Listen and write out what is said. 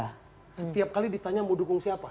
setiap kali ditanya mau dukung siapa